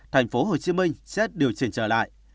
tp hcm sẽ điều trình trở lại